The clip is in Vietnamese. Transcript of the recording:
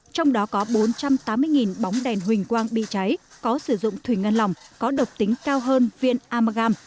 trong đó có bốn trăm tám mươi bóng đèn huỳnh quang bị cháy có sử dụng thủy ngân lòng có độc tính cao hơn viện amalgam